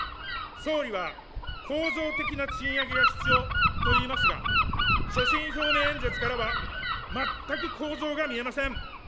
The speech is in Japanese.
総理は構造的な賃上げが必要と言いますが、所信表明演説からは全く構造が見えません。